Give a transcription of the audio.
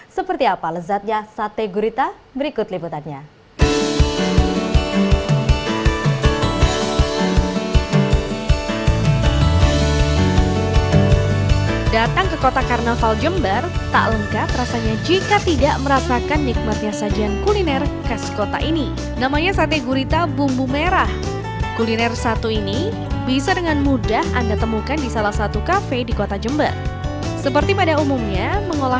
seperti apa lezatnya sate gurita berikut liputannya